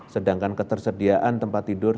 sedangkan ketersediaan tempat tidur